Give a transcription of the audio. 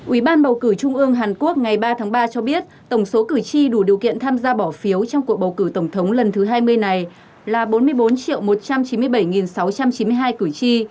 ủy ban bầu cử trung ương hàn quốc ngày ba tháng ba cho biết tổng số cử tri đủ điều kiện tham gia bỏ phiếu trong cuộc bầu cử tổng thống lần thứ hai mươi này là bốn mươi bốn một trăm chín mươi bảy sáu trăm chín mươi hai cử tri